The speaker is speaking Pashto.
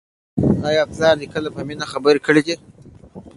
آیا پلار دې کله په مینه خبره کړې ده؟